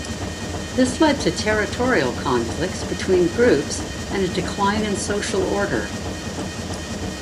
This led to territorial conflicts between groups and a decline in social order.